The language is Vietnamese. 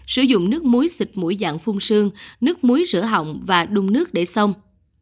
sử dụng nước muối xịt mũi dạng phun sương nước muối rửa hỏng và đun nước để xong